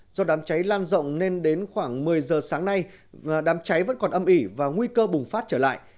do đám cháy lan rộng nên đến khoảng một mươi giờ sáng nay đám cháy vẫn còn âm ỉ và nguy cơ bùng phát trở lại